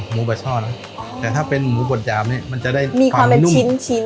หมูบัดช่อนนะแต่ถ้าเป็นหมูบดยามเนี้ยมันจะได้มีความนุ่มมีความเป็นชิ้น